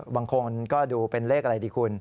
บางคนก็ดูเป็นเลขอะไรดีคุณ